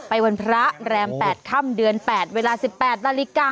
วันพระแรม๘ค่ำเดือน๘เวลา๑๘นาฬิกา